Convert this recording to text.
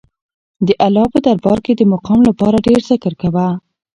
د الله په دربار کې د مقام لپاره ډېر ذکر کوه.